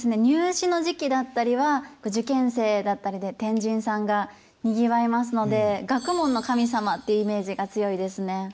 入試の時期だったりは受験生だったりで天神さんがにぎわいますので学問の神様っていうイメージが強いですね。